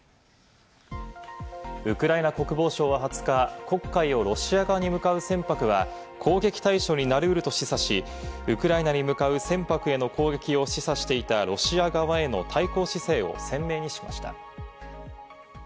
ウクライナ国防省は２０日、黒海をロシア側に向かう船舶が攻撃対象になりうると示唆し、ウクライナに向かう船舶への攻撃を示唆していたロシア側への対抗姿勢を鮮明にしました。